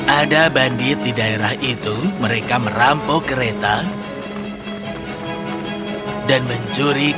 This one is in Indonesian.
ada bandit di daerah itu mereka merampok kereta dan mencuri kereta